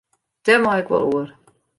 Dêr mei ik wol oer.